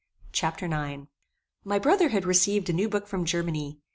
Chapter IX My brother had received a new book from Germany.